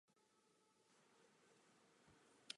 Z mistrovství světa má ještě tři stříbra a bronz.